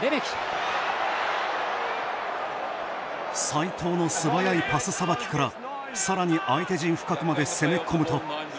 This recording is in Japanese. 齋藤の素早いパスさばきからさらに相手陣深くまで攻め込むと。